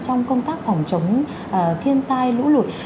trong công tác phòng chống thiên tai lũ lụt